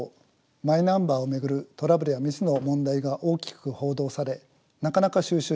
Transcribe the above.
マイナンバーを巡るトラブルやミスの問題が大きく報道されなかなか収拾しません。